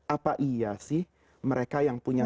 apa iya sih mereka yang punya